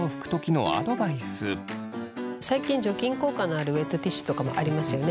最近除菌効果のあるウェットティッシュとかもありますよね。